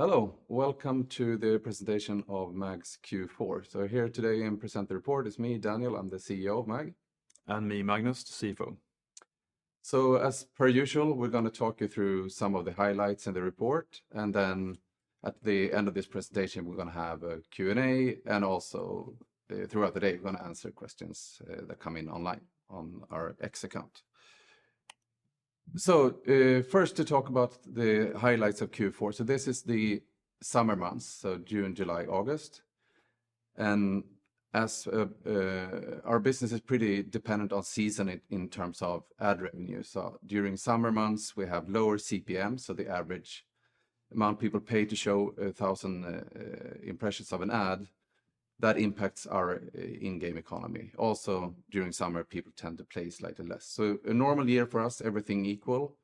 Hello. Welcome to the presentation of MAG's Q4. So here today and present the report is me, Daniel. I'm the Chief Executive Officer of MAG. And me, Magnus, the Chief Financial Officer. As per usual, we're gonna talk you through some of the highlights in the report, and then at the end of this prentation, we're gonna have a Q&A, and also, throughout the day, we're gonna answer questions that come in online on our X account. First, to talk about the highlights of Q4. This is the summer months, so June, July, August, and as our business is pretty dependent on season in terms of ad revenue. So during summer months, we have lower CPM, so the average amount people pay to show a thousand impressions of an ad, that impacts our in-game economy. Also, during summer, people tend to play slightly less. So a normal year for us, everything equal,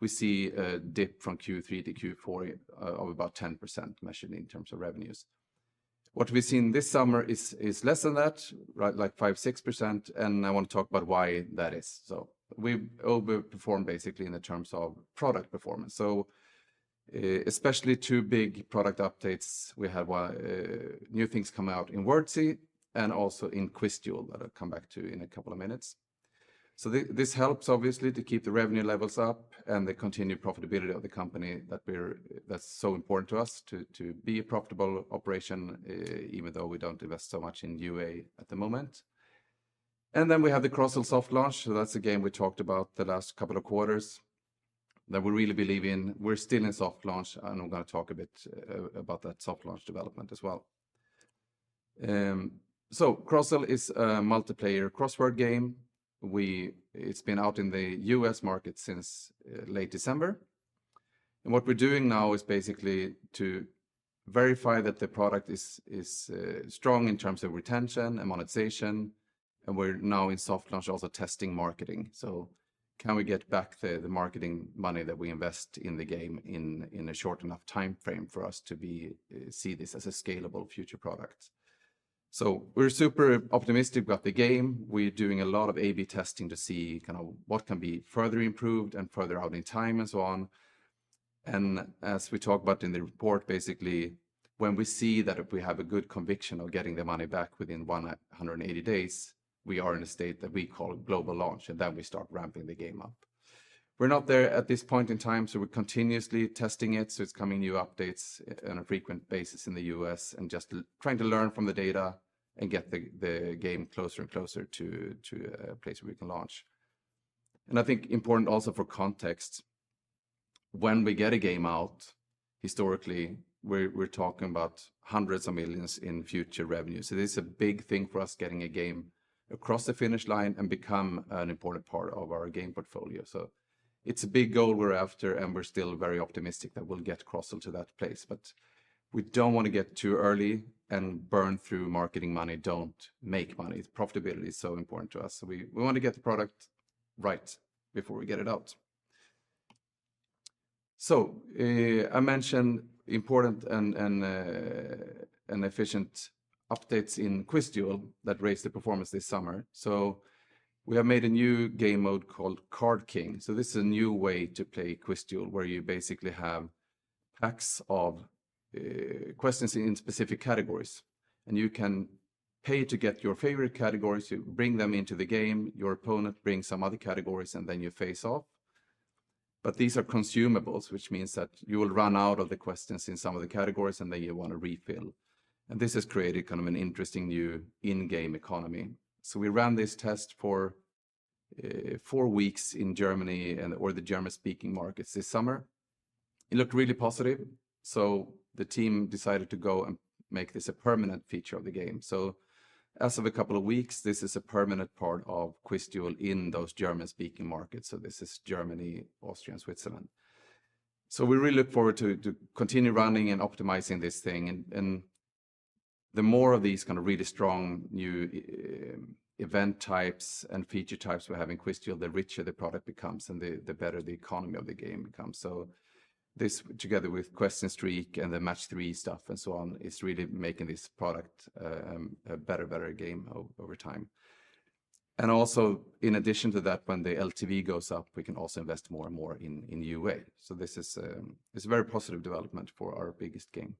we see a dip from Q3 to Q4 of about 10%, measured in terms of revenues. What we've seen this summer is less than that, right? Like 5-6%, and I wanna talk about why that is. So we've overperformed basically in the terms of product performance. So, especially two big product updates, we had new things come out in Wordzee and also in QuizDuel, that I'll come back to in a couple of minutes. So this helps obviously to keep the revenue levels up and the continued profitability of the company that we're that's so important to us to be a profitable operation, even though we don't invest so much in UA at the moment. And then we have the Croze soft launch, so that's a game we talked about the last couple of quarters, that we really believe in. We're still in soft launch, and I'm gonna talk a bit about that soft launch development as well. So Crozzle is a multiplayer crossword game. It's been out in the U.S. market since late December, and what we're doing now is basically to verify that the product is strong in terms of retention and monetization, and we're now in soft launch, also testing marketing. So can we get back the marketing money that we invest in the game in a short enough timeframe for us to be see this as a scalable future product? So we're super optimistic about the game. We're doing a lot of A/B testing to see kinda what can be further improved and further out in time and so on. As we talk about in the report, basically, when we see that if we have a good conviction of getting the money back within one hundred and eighty days, we are in a state that we call a global launch, and then we start ramping the game up. We're not there at this point in time, so we're continuously testing it, so it's coming new updates on a frequent basis in the US, and just trying to learn from the data and get the game closer and closer to a place where we can launch. I think important also for context, when we get a game out, historically, we're talking about hundreds of millions in future revenues. So this is a big thing for us, getting a game across the finish line and become an important part of our game portfolio. So it's a big goal we're after, and we're still very optimistic that we'll get Crozzle to that place, but we don't wanna get too early and burn through marketing money, don't make money. Profitability is so important to us, so we want to get the product right before we get it out. So I mentioned important and efficient updates in QuizDuel that raised the performance this summer. So we have made a new game mode called Card King. So this is a new way to play QuizDuel, where you basically have packs of questions in specific categories, and you can pay to get your favorite categories, you bring them into the game, your opponent brings some other categories, and then you face off. But these are consumables, which means that you will run out of the questions in some of the categories, and then you wanna refill. And this has created kind of an interesting new in-game economy. So we ran this test for four weeks in Germany and or the German-speaking markets this summer. It looked really positive, so the team decided to go and make this a permanent feature of the game. So as of a couple of weeks, this is a permanent part of QuizDuel in those German-speaking markets, so this is Germany, Austria, and Switzerland. So we really look forward to continue running and optimizing this thing, and the more of these kinda really strong new event types and feature types we have in QuizDuel, the richer the product becomes and the better the economy of the game becomes. So this, together with Question Streak and the Match 3 stuff and so on, is really making this product a better game over time. And also, in addition to that, when the LTV goes up, we can also invest more and more in UA. So this is a very positive development for our biggest game.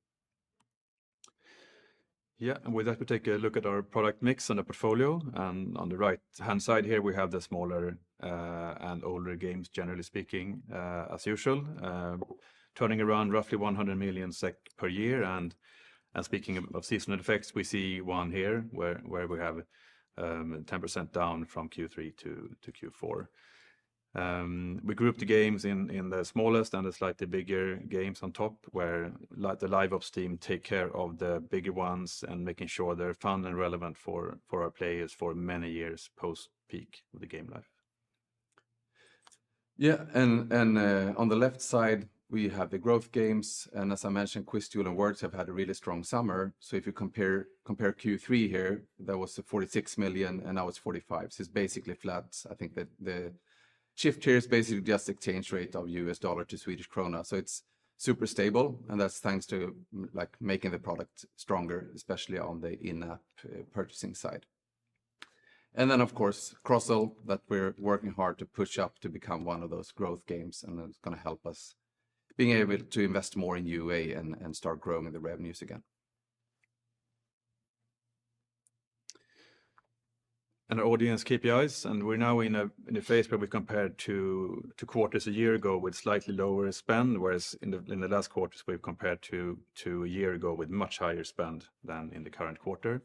Yeah, and with that, we take a look at our product mix and the portfolio. And on the right-hand side here, we have the smaller, and older games, generally speaking, as usual, turning around roughly 100 million SEK per year. And, speaking of seasonal effects, we see one here, where we have 10% down from Q3 to Q4. We grouped the games in the smallest and the slightly bigger games on top, where the live ops team take care of the bigger ones and making sure they're fun and relevant for our players for many years post-peak of the game life. Yeah, and on the left side, we have the growth games, and as I mentioned, QuizDuel and Wordzee have had a really strong summer. So if you compare Q3 here, that was 46 million, and now it's 45 million, so it's basically flat. I think the shift here is basically just exchange rate of USD to SEK. So it's super stable, and that's thanks to, like, making the product stronger, especially on the in-app purchasing side. And then, of course, Crozzle, that we're working hard to push up to become one of those growth games, and that's gonna help us being able to invest more in UA and start growing the revenues again. Our audience KPIs, and we're now in a phase where we compare two quarters a year ago with slightly lower spend, whereas in the last quarters, we've compared to a year ago with much higher spend than in the current quarter.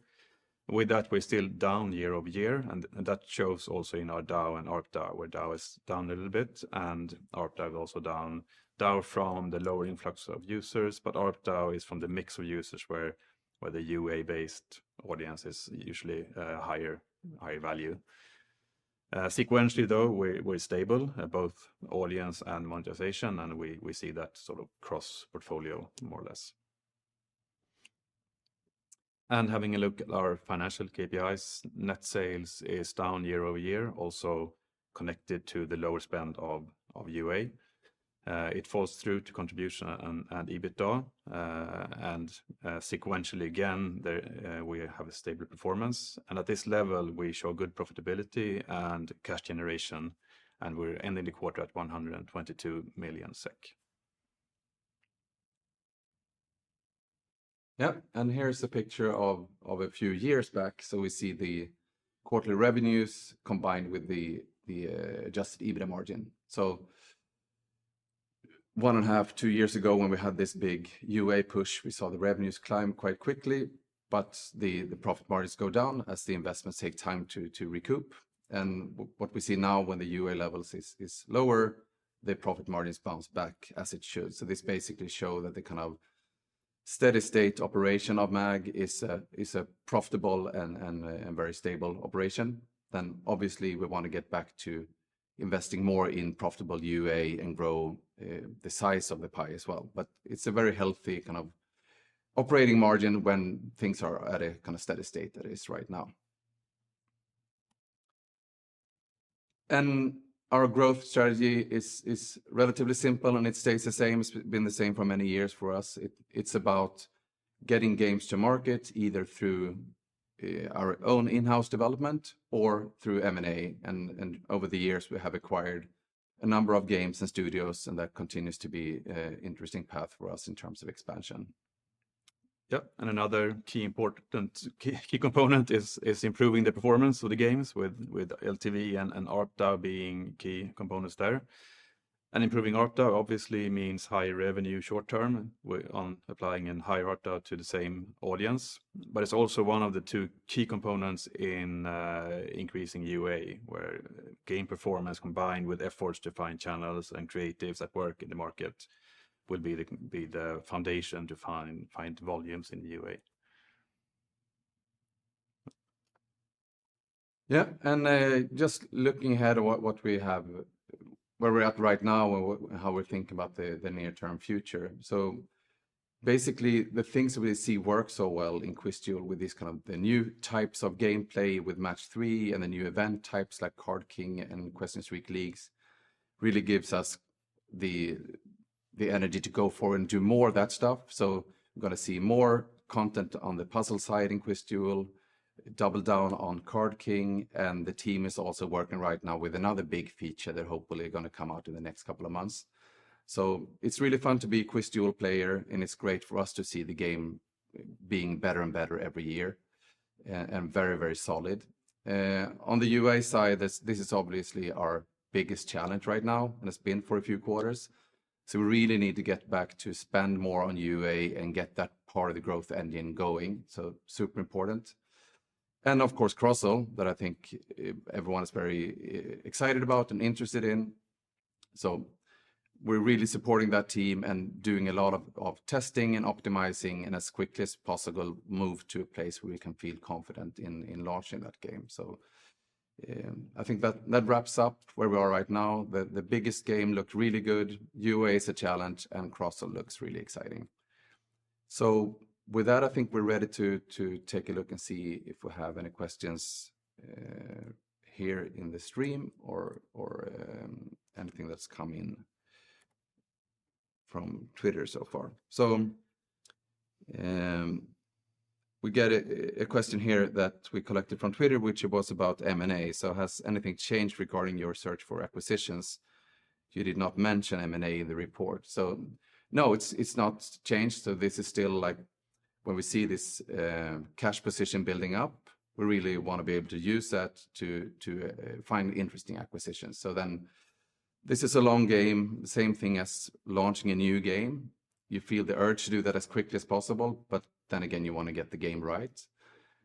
With that, we're still down year over year, and that shows also in our DAU and ARPDAU, where DAU is down a little bit and ARPDAU is also down. DAU from the lower influx of users, but ARPDAU is from the mix of users where the UA-based audience is usually higher value. Sequentially, though, we're stable both audience and monetization, and we see that sort of cross-portfolio more or less. Having a look at our financial KPIs, net sales is down year over year, also connected to the lower spend of UA. It falls through to contribution and EBITDA, and sequentially again, there we have a stable performance, and at this level, we show good profitability and cash generation, and we're ending the quarter at 122 million SEK. Yep, and here is a picture of a few years back. So we see the quarterly revenues combined with the Adjusted EBITDA margin. So one and a half, two years ago, when we had this big UA push, we saw the revenues climb quite quickly, but the profit margins go down as the investments take time to recoup. And what we see now, when the UA levels is lower, the profit margins bounce back, as it should. So this basically show that the kind of steady state operation of MAG is a profitable and a very stable operation. Then obviously, we wanna get back to investing more in profitable UA and grow the size of the pie as well. But it's a very healthy kind of operating margin when things are at a kinda steady state, that is right now. And our growth strategy is relatively simple, and it stays the same. It's been the same for many years for us. It's about getting games to market, either through our own in-house development or through M&A, and over the years, we have acquired a number of games and studios, and that continues to be an interesting path for us in terms of expansion. Yep, and another key component is improving the performance of the games with LTV and ARPDAU being key components there, and improving ARPDAU obviously means high revenue short term. We're on applying a higher ARPDAU to the same audience, but it's also one of the two key components in increasing UA, where game performance, combined with efforts to find channels and creatives that work in the market, will be the foundation to find volumes in UA. Yeah, and just looking ahead at what we have, where we're at right now, and how we're thinking about the near-term future. So basically, the things we see work so well in QuizDuel with this kind of the new types of gameplay, with Match three and the new event types like Car,d King and Question Streak, Leagues really gives us the energy to go forward and do more of that stuff. So we're gonna see more content on the puzzle side in QuizDuel, double down on Card King, and the team is also working right now with another big feature that hopefully is gonna come out in the next couple of months. So it's really fun to be a QuizDuel player, and it's great for us to see the game being better and better every year, and very, very solid. On the UA side, this is obviously our biggest challenge right now, and it's been for a few quarters, so we really need to get back to spend more on UA and get that part of the growth engine going, so super important. And of course, Crozzle, that I think everyone is very excited about and interested in. So we're really supporting that team and doing a lot of testing and optimizing, and as quickly as possible, move to a place where we can feel confident in launching that game. So, I think that wraps up where we are right now. The biggest game looked really good, UA is a challenge, and Crozzle looks really exciting. So with that, I think we're ready to take a look and see if we have any questions here in the stream or anything that's come in from Twitter so far. So we get a question here that we collected from Twitter, which was about M&A. "So has anything changed regarding your search for acquisitions? You did not mention M&A in the report." So no, it's not changed. So this is still, like, when we see this, cash position building up, we really wanna be able to use that to find interesting acquisitions. So then this is a long game, same thing as launching a new game. You feel the urge to do that as quickly as possible, but then again, you wanna get the game right.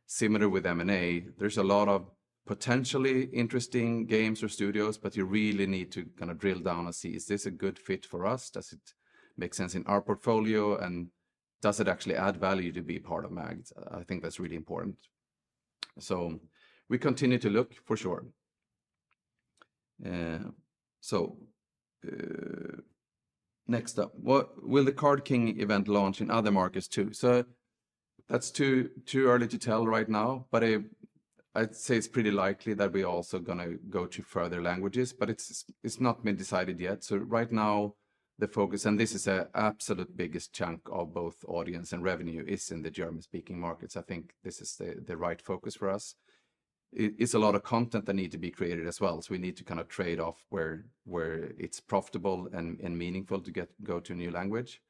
Similar with M&A, there's a lot of potentially interesting games or studios, but you really need to kinda drill down and see, is this a good fit for us? Does it make sense in our portfolio, and does it actually add value to be part of MAG? I think that's really important, so we continue to look, for sure. Next up: "What will the Card King event launch in other markets, too?" So that's too early to tell right now, but I'd say it's pretty likely that we're also gonna go to further languages, but it's not been decided yet, so right now the focus, and this is a absolute biggest chunk of both audience and revenue, is in the German-speaking markets. I think this is the right focus for us. It's a lot of content that need to be created as well, so we need to kind of trade off where it's profitable and meaningful to get to go to a new language.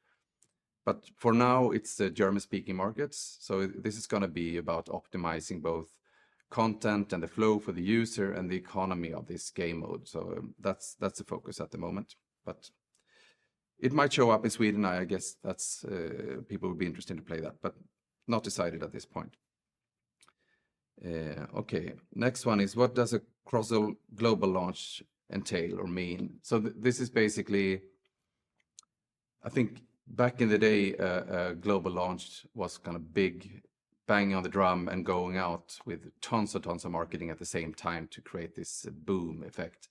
But for now, it's the German-speaking markets, so this is gonna be about optimizing both content and the flow for the user and the economy of this game mode. So that's the focus at the moment, but it might show up in Sweden. I guess that's people would be interested to play that, but not decided at this point. Okay, next one is: What does a Crozzle globah entail or mean? So this is basically... I think back in the day, a global launch was kind of big bang on the drum and going out with tons and tons of marketing at the same time to create this boom effect.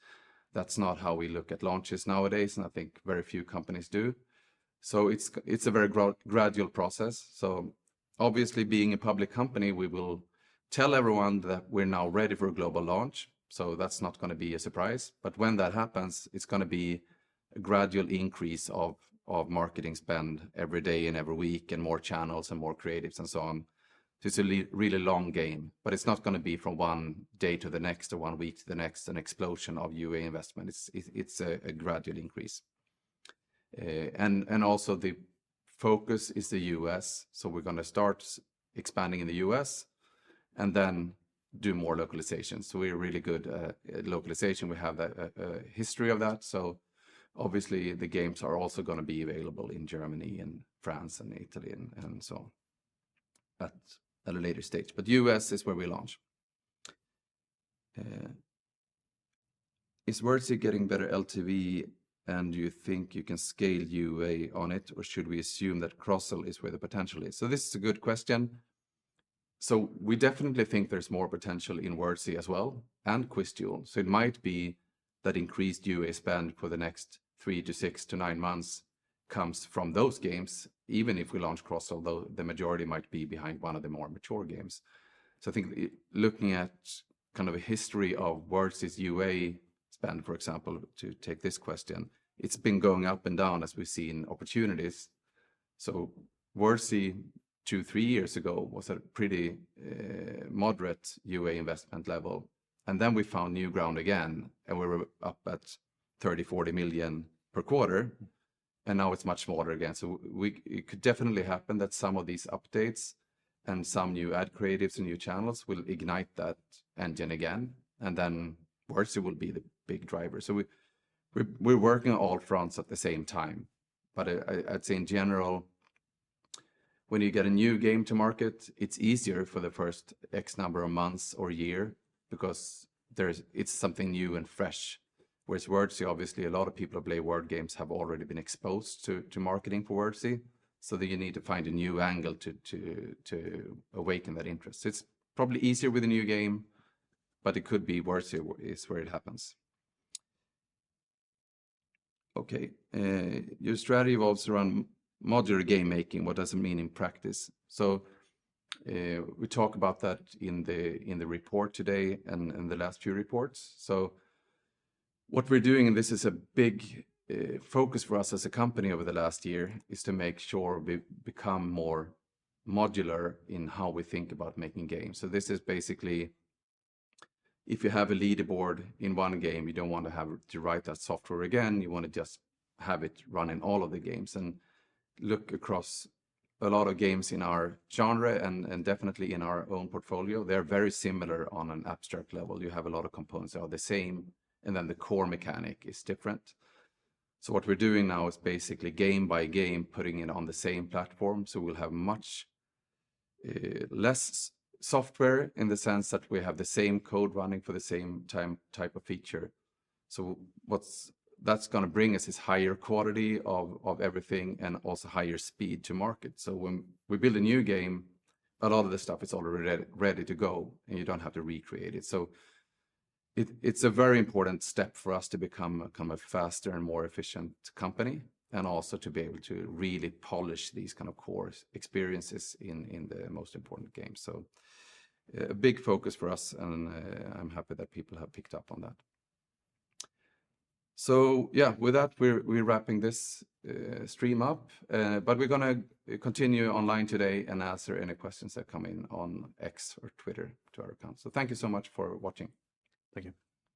That's not how we look at launches nowadays, and I think very few companies do. So it's a very gradual process. So obviously, being a public company, we will tell everyone that we're now ready for a global launch, so that's not gonna be a surprise. But when that happens, it's gonna be a gradual increase of marketing spend every day and every week, and more channels and more creatives and so on. So it's a really long game, but it's not gonna be from one day to the next, or one week to the next, an explosion of UA investment. It's a gradual increase. And also the focus is the US, so we're gonna start expanding in the US and then do more localization. So we're really good at localization. We have a history of that, so obviously the games are also gonna be available in Germany and France and Italy, and so on, at a later stage. But US is where we launch. Is Wordzee getting better LTV, and do you think you can scale UA on it, or should we assume that Crozzle is where the potential is? So this is a good question. So we definitely think there's more potential in Wordzee as well, and QuizDuel. It might be that increased UA spend for the next three to six to nine months comes from those games, even if we launch Crozzle, though the majority might be behind one of the more mature games. I think looking at kind of a history of Wordzee's UA spend, for example, to take this question, it's been going up and down as we've seen opportunities. Wordzee two, three years ago was a pretty moderate UA investment level, and then we found new ground again, and we were up at 30-40 million per quarter, and now it's much smaller again. It could definitely happen that some of these updates and some new ad creatives and new channels will ignite that engine again, and hen Wordzee will be the big driver. We're working on all fronts at the same time. But in general, when you get a new game to market, it's easier for the first X number of months or year because it's something new and fresh. Whereas Wordzee, obviously, a lot of people who play word games have already been exposed to marketing for Wordzee, so then you need to find a new angle to awaken that interest. It's probably easier with a new game, but it could be Wordzee is where it happens. Okay, your strategy revolves around modular game making. What does it mean in practice? So, we talk about that in the report today and in the last few reports. So what we're doing, and this is a big focus for us as a company over the last year, is to make sure we become more modular in how we think about making games. This is basically, if you have a leaderboard in one game, you don't want to have to write that software again. You want to just have it run in all of the games, and look across a lot of games in our genre and definitely in our own portfolio. They're very similar on an abstract level. You have a lot of components that are the same, and then the core mechanic is different. So what we're doing now is basically game by game, putting it on the same platform. So we'll have much less software in the sense that we have the same code running for the same type of feature. So that's gonna bring us is higher quality of everything and also higher speed to market. So when we build a new game, a lot of this stuff is already ready to go, and you don't have to recreate it. So it's a very important step for us to become a faster and more efficient company, and also to be able to really polish these kind of core experiences in the most important games. So a big focus for us, and I'm happy that people have picked up on that. So yeah, with that, we're wrapping this stream up, but we're gonna continue online today and answer any questions that come in on X or Twitter to our account. So thank you so much for watching. Thank you.